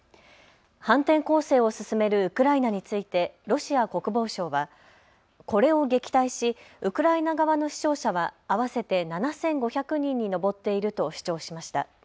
反転攻勢を進めるウクライナについてロシア国防省はこれを撃退しウクライナ側の死傷者は合わせて７５００人に上っていると主張しました。